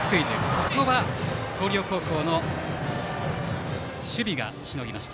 ここは広陵高校の守備がしのぎました。